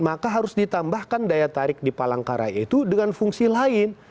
maka harus ditambahkan daya tarik di palangkaraya itu dengan fungsi lain